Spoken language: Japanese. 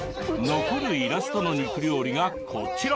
残るイラストの肉料理がこちら。